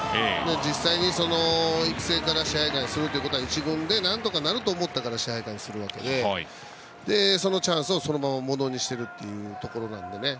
実際に育成から試合に進むということは１軍でなんとかなると思ったから支配下にするわけでそのチャンスをそのままものにしているということなので。